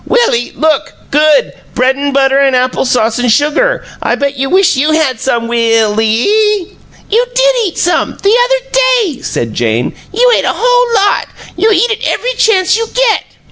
'Will ee, look! Good! Bread and butter and apple sauce and sugar! I bet you wish YOU had some, Will ee!'" "You did eat some, the other day," said Jane. "You ate a whole lot. You eat it every chance you get!"